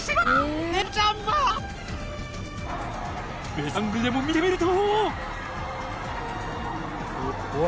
別アングルでも見てみると。